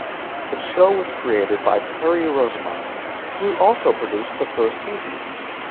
The show was created by Perry Rosemond, who also produced the first season.